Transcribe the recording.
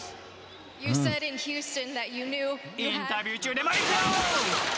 ［インタビュー中でもいくよ！］